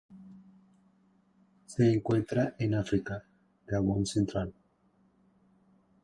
Se encuentran en África: Gabón central.